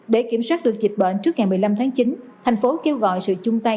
để kiểm soát được dịch bệnh trước ngày một mươi năm tháng chín thành phố kêu gọi sự chung tay